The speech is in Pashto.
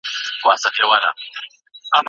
د نفوس زیاتوالی یوه ټولنیزه مسئله ده.